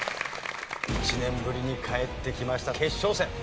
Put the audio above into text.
１年ぶりに帰ってきました決勝戦。